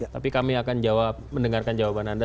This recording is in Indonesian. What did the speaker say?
tapi kami akan mendengarkan jawaban anda